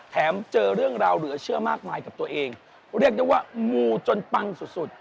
เจอเรื่องราวเหลือเชื่อมากมายกับตัวเองเรียกได้ว่ามูจนปังสุดสุด